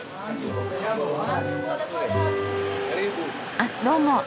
あっどうも。